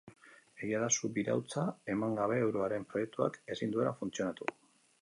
Egia da subirautza eman gabe euroaren proiektuak ezin duela funtzionatu.